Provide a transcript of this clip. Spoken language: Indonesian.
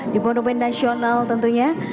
di monumencarnasional tentunya